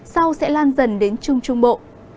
sau sẽ lan dần đến trung trung bộ